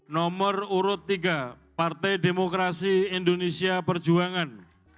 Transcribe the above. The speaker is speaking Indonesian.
nomor urut tiga partai demokrasi indonesia perjuangan